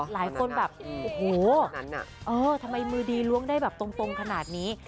หลายคนแบบโอ้โหทำไมมือดีล้วงได้แบบตรงขนาดนี้